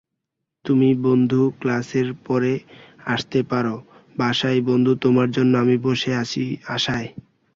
তুমি বন্ধু ক্লাসের পরে আসতে পার বাসায়বন্ধু তোমার জন্য আমি বসে আছি আশায়।